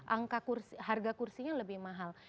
angka harga kursinya lebih mahal